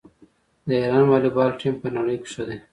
د ایران والیبال ټیم په نړۍ کې ښه دی.